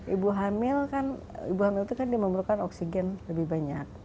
ibu hamil kan ibu hamil itu kan memerlukan oksigen lebih banyak